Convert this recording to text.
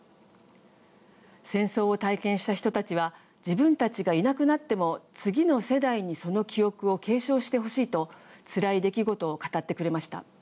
戦争を体験した人たちは自分たちがいなくなっても次の世代にその記憶を継承してほしいとつらい出来事を語ってくれました。